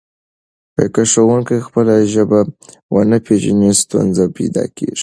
که ښوونکی خپله ژبه ونه پېژني ستونزه پیدا کېږي.